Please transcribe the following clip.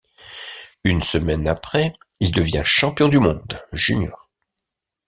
Une semaine après, il devient champion du monde junior.